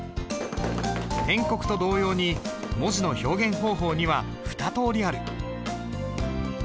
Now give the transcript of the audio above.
篆刻と同様に文字の表現方法には２通りある。